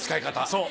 そう。